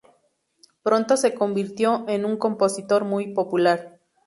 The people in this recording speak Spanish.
Pronto se convirtió en un compositor muy popular.